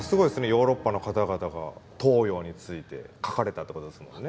ヨーロッパの方々が東洋について書かれたってことですもんね。